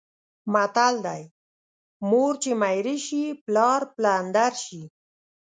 متل دی: مور چې میره شي پلار پلندر شي.